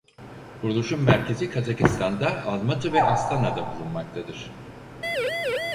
Kuruluşun merkezi Kazakistan'da Almatı ve Astana'da bulunmaktadır.